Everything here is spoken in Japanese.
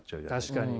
確かに。